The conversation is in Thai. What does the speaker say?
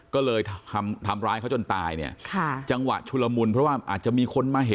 ก็เลยทำร้ายเขาจนตายเนี่ยค่ะจังหวะชุลมุนเพราะว่าอาจจะมีคนมาเห็น